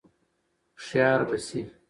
هوښیار به شې !